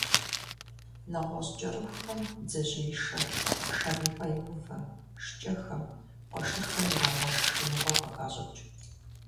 НэгъуэщӀ кӀэрыхухэм «бдзэжьеишэ», шэм и пӀэ иувэ, шкӀэхэм, кхъуэшырхэм ирагъэшх шхыныгъуэ къыхащӀыкӀ.